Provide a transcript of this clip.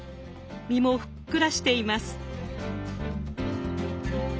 身もふっくらしています。